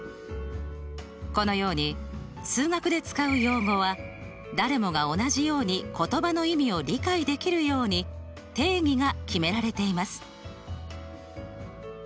このように数学で使う用語は誰もが同じように言葉の意味を理解できるように定義が決められています。